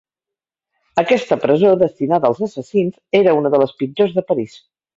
Aquesta presó, destinada als assassins, era una de les pitjors de París.